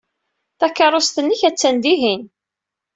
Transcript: Takeṛṛust-nnek attan dihin.